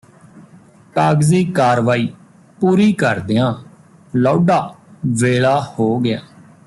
ਕਾਗ਼ਜ਼ੀ ਕਾਰਵਾਈ ਪੂਰੀ ਕਰਦਿਆਂ ਲੌਢਾ ਵੇਲਾ ਹੋ ਗਿਆ